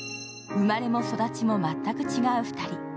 生まれも育ちも全く違う２人。